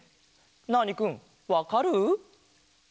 ナーニくんわかる？